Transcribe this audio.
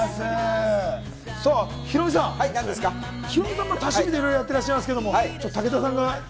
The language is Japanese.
ヒロミさん、ヒロミさんは多趣味でいろいろやってらっしゃいますけれど、武田さんが。